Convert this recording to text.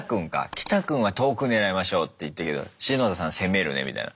キタ君は「遠く狙いましょう」って言ったけどしのださん「攻めるね」みたいな。